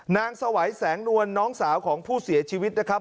สวัยแสงนวลน้องสาวของผู้เสียชีวิตนะครับ